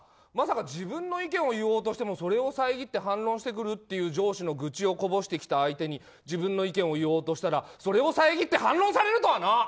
まさか自分の意見を言おうとしてもそれを遮って反論してくるっていう上司の愚痴をこぼしてきた相手に自分の意見を言おうとしたらそれを遮って反論されるとはな！